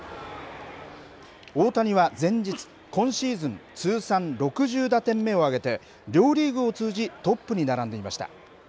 大谷は前日、今シーズン通算６０打点目を挙げて、両リーグを通じ、トップに並んでいました。